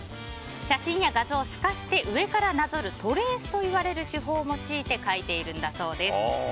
写真や画像を透かして上からなぞるトレースといわれる手法を用いて描いているんだそうです。